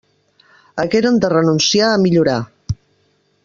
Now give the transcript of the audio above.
Hagueren de renunciar a millorar.